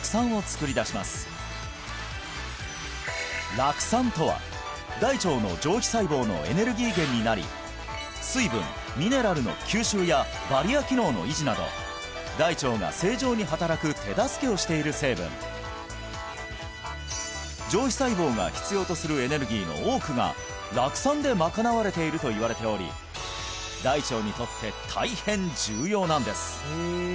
酪酸とは大腸の上皮細胞のエネルギー源になり水分ミネラルの吸収やバリア機能の維持など大腸が正常に働く手助けをしている成分上皮細胞が必要とするエネルギーの多くが酪酸で賄われているといわれており大腸にとって大変重要なんです